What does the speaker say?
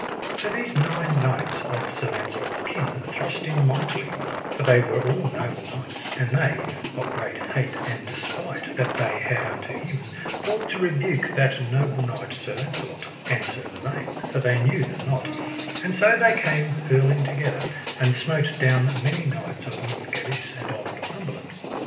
So these nine knights of Sir Launcelot's kin thrust in mightily, for they were all noble knights; and they, of great hate and despite that they had unto him, thought to rebuke that noble knight Sir Launcelot, and Sir Lavaine, for they knew them not; and so they came hurling together, and smote down many knights of Northgalis and of Northumberland.